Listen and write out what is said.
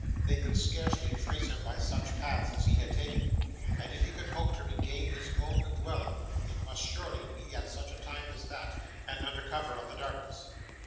They could scarcely trace him by such paths as he had taken, and if he could hope to regain his own dwelling, it must surely be at such a time as that, and under cover of the darkness.